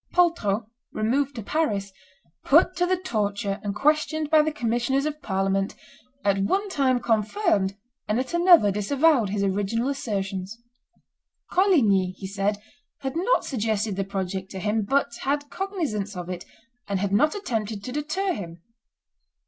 Poltrot, removed to Paris, put to the torture and questioned by the commissioners of Parliament, at one time confirmed and at another disavowed his original assertions. Coligny, he said, had not suggested the project to him, but had cognizance of it, and had not attempted to deter him.